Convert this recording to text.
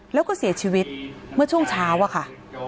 แล้วก็เสียชีวิตเมื่อช่วงเช้าอะค่ะ